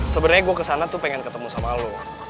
sebenarnya gue kesana tuh pengen ketemu sama lo